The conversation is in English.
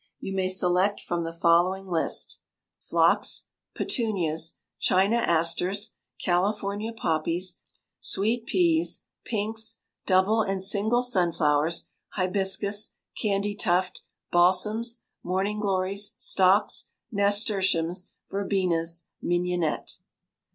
You may select from the following list: phlox, petunias, China asters, California poppies, sweet peas, pinks, double and single sunflowers, hibiscus, candytuft, balsams, morning glories, stocks, nasturtiums, verbenas, mignonette.